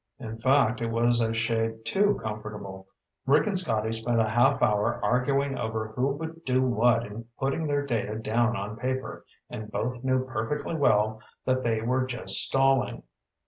In fact, it was a shade too comfortable. Rick and Scotty spent a half hour arguing over who would do what in putting their data down on paper, and both knew perfectly well that they were just stalling.